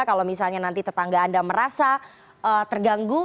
kalau misalnya nanti tetangga anda merasa terganggu